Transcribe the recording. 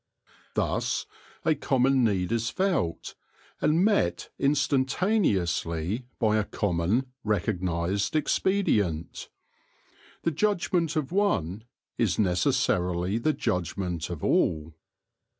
Thus a common need is felt, and met in stantaneously by a common, recognised expedient. The judgment of one is necessarily the judgment of all.